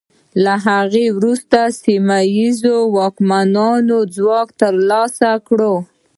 له هغه وروسته سیمه ییزو واکمنانو ځواک ترلاسه کړ.